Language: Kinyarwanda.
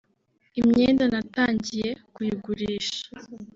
“Imyenda natangiye kuyigurisha